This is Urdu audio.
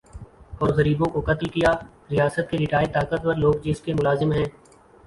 اور غریبوں کو قتل کیا ریاست کے ریٹائر طاقتور لوگ جس کے ملازم ھیں